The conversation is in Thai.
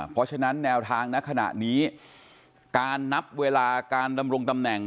เพราะฉะนั้นแนวทางในขณะนี้การนับเวลาการดำรงตำแหน่ง